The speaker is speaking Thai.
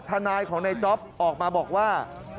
ทนายของนายจ๊อปออกมาบอกว่า